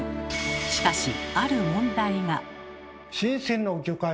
しかしある問題が。